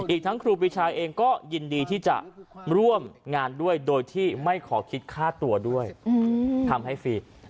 อีกทั้งครูปีชาเองก็ยินดีที่จะร่วมงานด้วยโดยที่ไม่ขอคิดค่าตัวด้วยทำให้ฟรี